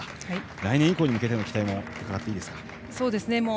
来年以降に向けての期待を伺っていいですか。